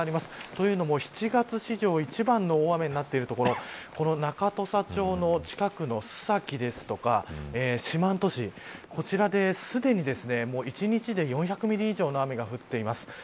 というのも、７月史上一番の大雨になってる所この中土佐町の近くの須崎ですとか四万十市こちらで、すでに１日に４００ミリ以上の雨が降っています。